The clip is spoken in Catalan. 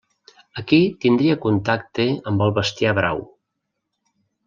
Aquí tindria contacte amb el bestiar brau.